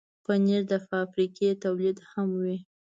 پنېر د فابریکې تولید هم وي.